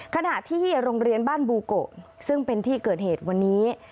ขณะที่โรงเรียนบ้านบูโกะซึ่งเป็นที่เกิดเหตุวันนี้